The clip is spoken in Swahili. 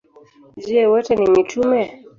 Je, wote ni mitume?